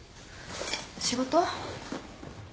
仕事？